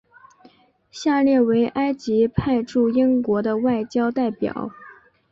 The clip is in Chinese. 下列为埃及派驻英国的外交代表。